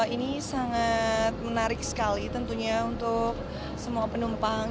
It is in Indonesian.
ini sangat menarik sekali tentunya untuk semua penumpang